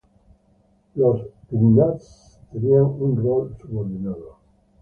Los "knyaz" tenían un rol subordinado.